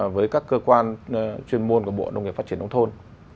với các cơ quan chuyên môn của bộ nông nghiệp phát triển nông thôn